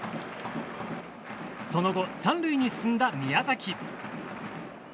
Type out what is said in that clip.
その後、３塁に進んだ宮崎。